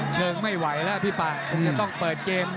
เชอร์ก็ไม่ไหวแล้วพี่ปังจะต้องเปิดเกม